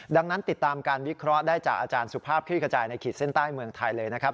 ดังนั้นติดตามการวิเคราะห์ได้จากอาจารย์สุภาพคลี่ขจายในขีดเส้นใต้เมืองไทยเลยนะครับ